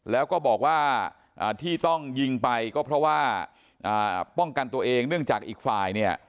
แล้วก็บอกว่าที่ต้องยิงไปก็เพราะว่าป้องกันตัวเองเนื่องจากอีกฝ่ายเนี่ย